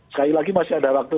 sekali lagi masih ada waktu